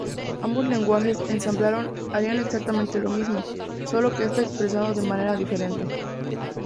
Ambos lenguajes ensambladores harían exactamente lo mismo, solo que está expresado de manera diferente.